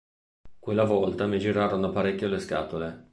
Quella volta mi girarono parecchio le scatole.